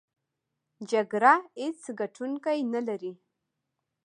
جګړه هېڅ ګټوونکی نلري!